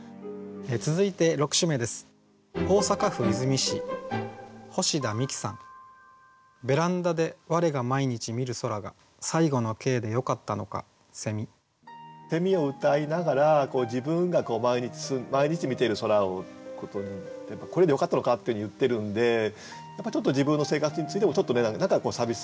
続いて６首目です。をうたいながら自分が毎日見ている空をこれでよかったのかっていうふうに言ってるんでちょっと自分の生活についても何か寂しさがあるというかね